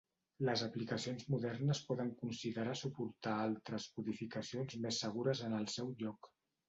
Les aplicacions modernes poden considerar suportar altres codificacions més segures en el seu lloc.